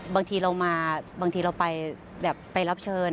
บางทีเรามาบางทีเราไปแบบไปรับเชิญ